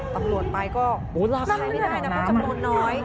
ตำรวจไปก็ราคาไม่ได้นะเพราะจำนวนน้อย